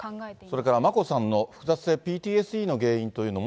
それから眞子さんの複雑性ＰＴＳＤの原因というのも。